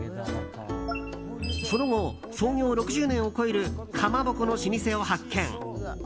その後、創業６０年を超えるかまぼこの老舗を発見。